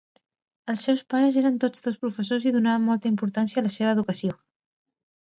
Els seus pares eren tots dos professors i donaven molta importància a la seva educació.